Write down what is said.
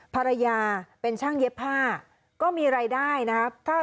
ภรรยาเป็นช่างเย็บผ้าก็มีรายได้นะครับ